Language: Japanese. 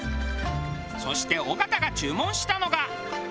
そして尾形が注文したのが。